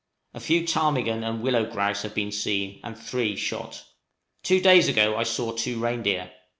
A few ptarmigan and willow grouse have been seen, and three shot. Two days ago I saw two reindeer.